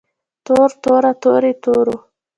تور توره تورې تورو